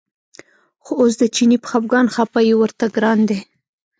خو اوس د چیني په خپګان خپه یو ورته ګران دی.